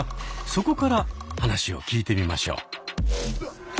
そこから話を聞いてみましょう。